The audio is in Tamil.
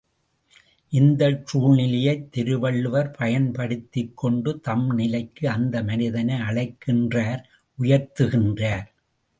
இந்தச் சூழ்நிலையைத் திருவள்ளுவர் பயன்படுத்திக் கொண்டு தம் நிலைக்கு அந்த மனிதனை அழைக்கின்றார் உயர்த்துகின்றார்.